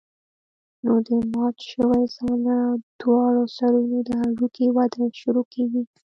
نو د مات شوي ځاى له دواړو سرونو د هډوکي وده شروع کېږي.